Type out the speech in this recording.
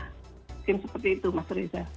mungkin seperti itu mas reza